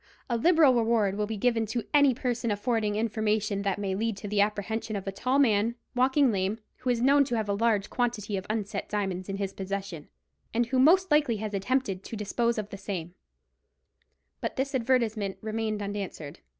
—A liberal reward will be given to any person affording information that may lead to the apprehension of a tall man, walking lame, who is known to have a large quantity of unset diamonds in his possession, and who most likely has attempted to dispose of the same_." But this advertisement remained unanswered.